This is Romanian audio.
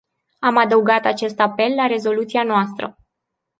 Am adăugat acest apel la rezoluția noastră.